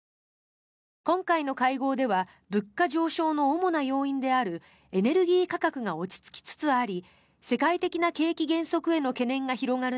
今回の会合では物価上昇の主な要因であるエネルギー価格が落ち着きつつあり世界的な景気減速への懸念が広がる